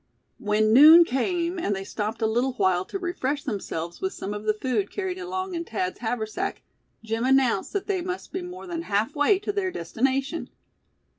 When noon came, and they stopped a little while to refresh themselves with some of the food carried along in Thad's haversack, Jim announced that they must be more than half way to their destination.